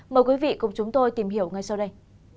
mời quý vị cùng chúng tôi tìm hiểu ngay sau đây